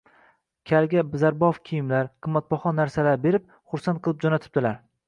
Kalga zarbof kiyimlar, qimmatbaho narsalar berib, xursand qilib jo‘natibdilar